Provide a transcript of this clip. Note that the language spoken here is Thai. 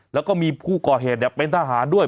แล้วก็มีผู้ก่อเหตุเป็นทหารด้วย